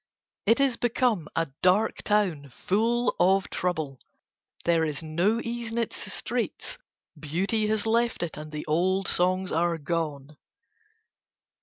It is become a dark town full of trouble, there is no ease in its streets, beauty has left it and the old songs are gone."